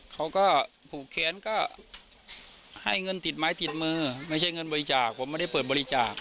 เขาก็ผูกแค้นก็ให้เงินติดไม้ติดมือไม่ใช่เงินบริจาคผมไม่ได้เปิดบริจาค